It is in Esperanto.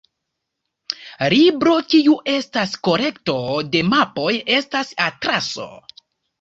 Libro kiu estas kolekto de mapoj estas atlaso.